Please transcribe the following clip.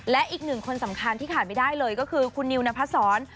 และอีกหนึ่งคนสำคัญที่ขาดไม่ได้เลยก็คือคุณนิวนพศร